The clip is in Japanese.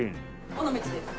尾道です。